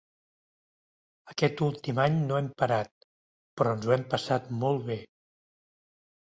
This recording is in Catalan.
Aquest últim any no hem parat, però ens ho hem passat molt bé.